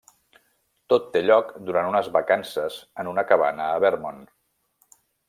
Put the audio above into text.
Tot té lloc durant unes vacances en una cabana a Vermont.